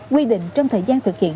quy định trong thời gian thực hiện